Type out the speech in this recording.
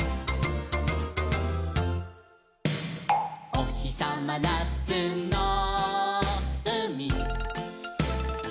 「おひさまなつのうみ」